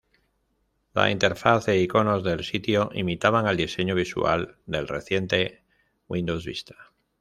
La interfaz e iconos del sitio imitaban al diseño visual del reciente Windows Vista.